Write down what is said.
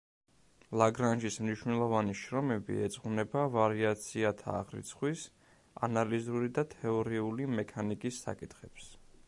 ლაგრანჟის მნიშვნელოვანი შრომები ეძღვნება ვარიაციათა აღრიცხვის, ანალიზური და თეორიული მექანიკის საკითხებს.